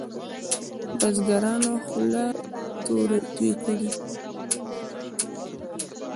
بزګرانو خوله توی کړې.